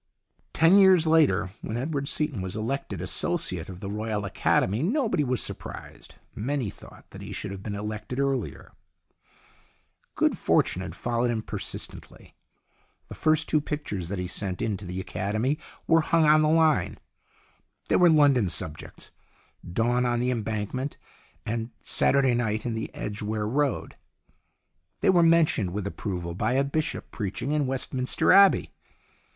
Ten years later, when Edward Seaton was elected Associate of the Royal Academy, nobody was surprised. Many thought that he should have been elected earlier. Good fortune had followed him persistently. The first two pictures that he sent to the Academy were hung on the line. They were London sub jects " Dawn on the Embankment " and " Satur day Night in the Edgware Road." They were mentioned with approval by a bishop preaching in Westminster Abbey.